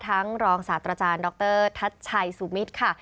รองศาสตราจารย์ดรทัชชัยสุมิตรค่ะ